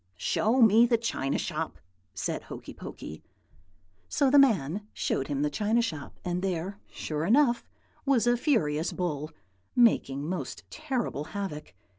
"'Show me the china shop,' said Hokey Pokey. "So the man showed him the china shop; and there, sure enough, was a furious bull, making most terrible havoc.